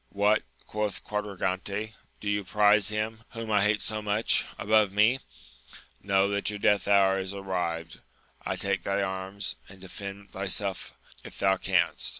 What ! quoth Quadragante, do you prize him, whom I hate so much, above me 1 Know, that your death hour is arrived ! take thy arms, and defend thyself if thou canst.